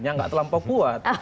tidak terlampau kuat